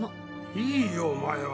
いいよお前は。